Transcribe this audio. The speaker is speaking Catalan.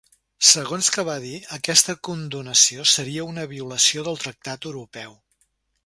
Segons que va dir, aquesta condonació seria “una violació del tractat europeu”.